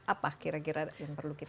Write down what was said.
apa kira kira yang perlu kita